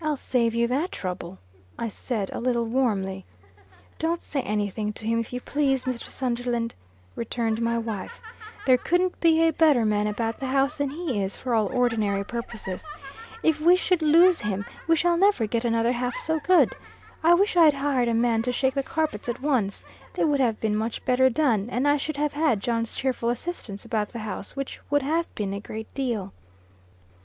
"I'll save you that trouble," I said, a little warmly. "Don't say any thing to him, if you please, Mr. Sunderland," returned my wife. "There couldn't be a better man about the house than he is, for all ordinary purposes. If we should lose him, we shall never get another half so good. I wish I'd hired a man to shake the carpets at once; they would have been much better done, and I should have had John's cheerful assistance about the house, which would have been a great deal."